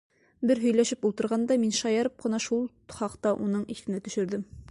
Бер һөйләшеп ултырғанда, мин шаярып ҡына шул хаҡта уның иҫенә төшөрҙөм.